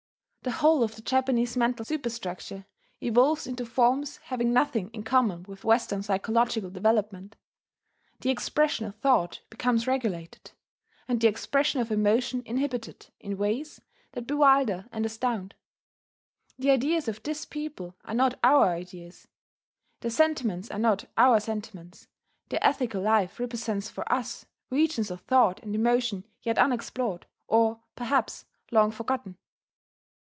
The whole of the Japanese mental superstructure evolves into forms having nothing in common with Western psychological development: the expression of thought becomes regulated, and the expression of emotion inhibited in ways that bewilder and astound. The ideas of this people are not our ideas; their sentiments are not our sentiments their ethical life represents for us regions of thought and emotion yet unexplored, or perhaps long forgotten.